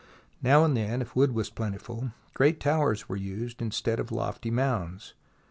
Now and then, if wood was plentiful, great towers were used instead of lofty mounds.